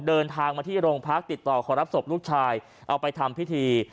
เดินทางมาที่โรงพักติดต่อขอรับศพลูกชายเอาไปทำพิธี